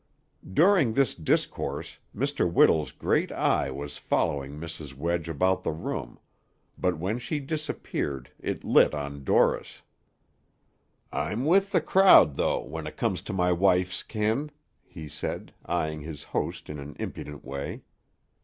During this discourse Mr. Whittle's great eye was following Mrs. Wedge about the room, but when she disappeared it lit on Dorris. "I'm with the crowd, though, when it comes to my wife's kin," he said, eyeing his host in an impudent way.